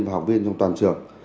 và học viên trong toàn trường